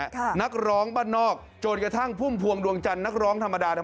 มีนักร้องลูกทุ่งดังมากมายเนี่ยผ่านการปลูกปั้นมาจากพ่อวัยพจน์เพชรสุพรณนะฮะ